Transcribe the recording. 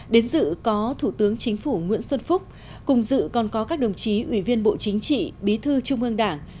đến dự có thủ tướng chính phủ nguyễn xuân phúc cùng dự còn có các đồng chí ủy viên bộ chính trị bí thư trung ương đảng